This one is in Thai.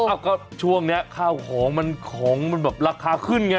อ้าวก็ช่วงนี้ข้าวของมันของมันแบบราคาขึ้นไง